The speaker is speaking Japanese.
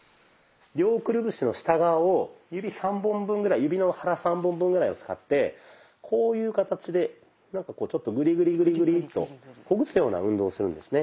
両くるぶしの下側を指の腹３本分ぐらいを使ってこういう形でなんかこうグリグリグリグリとほぐすような運動をするんですね。